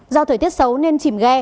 do thời tiết xấu nên chìm ghe